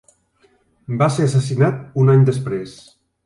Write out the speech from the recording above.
Va ser assassinat un any després.